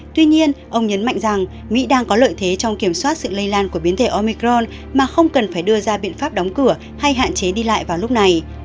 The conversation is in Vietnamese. tuy nhiên ông nhấn mạnh rằng mỹ đang có lợi thế trong kiểm soát sự lây lan của biến thể omicron mà không cần phải đưa ra biện pháp đóng cửa hay hạn chế đi lại vào lúc này